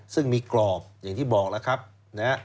ซึ่งมีกรอบอย่างที่บอกแล้วครับนะฮะ